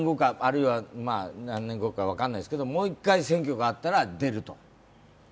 何年後か分からないですけどもう一回選挙があったら出ると？